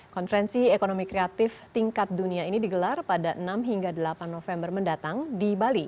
konferensi ekonomi kreatif tingkat dunia ini digelar pada enam hingga delapan november mendatang di bali